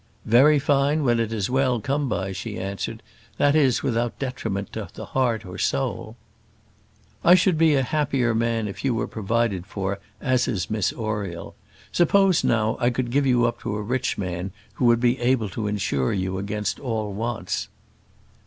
"Very fine, when it is well come by," she answered; "that is, without detriment to the heart or soul." "I should be a happier man if you were provided for as is Miss Oriel. Suppose, now, I could give you up to a rich man who would be able to insure you against all wants?"